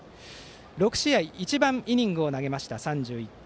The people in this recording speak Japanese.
６試合一番イニングを投げました３１回。